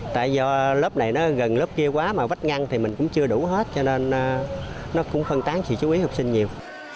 tại do lớp này nó gần lớp kia quá mà vách ngăn thì mình cũng chưa đủ hết cho nên nó cũng phân tán sự chú ý học sinh nhiều